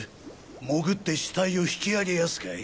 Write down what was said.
潜って死体を引きあげやすかい？